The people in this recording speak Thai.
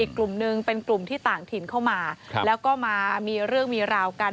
กลุ่มหนึ่งเป็นกลุ่มที่ต่างถิ่นเข้ามาแล้วก็มามีเรื่องมีราวกัน